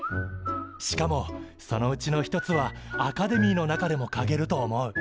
しかもそのうちの一つはアカデミーの中でもかげると思う。